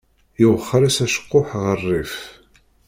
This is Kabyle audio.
Iwexxer-as acekkuḥ ɣer rrif.